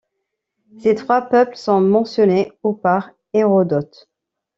Ces trois peuples sont mentionnés au par Hérodote.